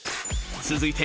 ［続いて］